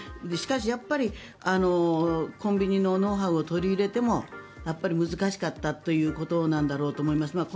しかし、やっぱりコンビニのノウハウを取り入れても難しかったということなんだろうと思います。